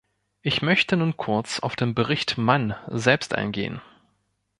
Ich möchte nun kurz auf den Bericht Mann selbst eingehen.